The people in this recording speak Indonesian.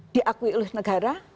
diakui oleh negara